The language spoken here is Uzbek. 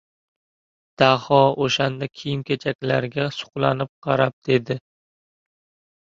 Daho o‘shanda kiyim-kechaklarga suqlanib qarab edi.